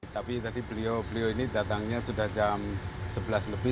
tapi tadi beliau ini datangnya sudah jam sebelas lebih